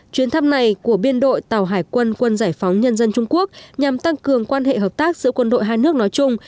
chuyến thăm này của biên đội tàu hải quân quân giải phóng nhân dân trung quốc nhằm tăng cường quan hệ hợp tác giữa quân đội hai nước nói chung